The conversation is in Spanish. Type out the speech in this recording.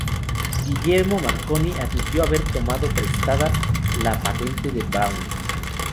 Guglielmo Marconi admitió haber "tomado prestada" la patente de Braun.